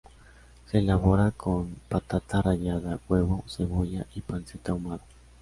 Se elabora con patata rallada, huevo, cebolla y panceta ahumada.